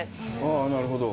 ああなるほど。